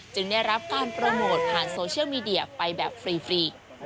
ได้รับการโปรโมทผ่านโซเชียลมีเดียไปแบบฟรี